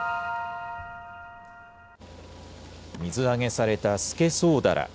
水揚げされたスケソウダラ。